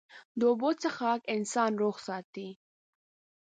د اوبو څښاک انسان روغ ساتي.